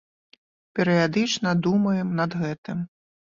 Перыядычна думаем над гэтым.